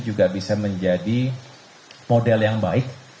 juga bisa menjadi model yang baik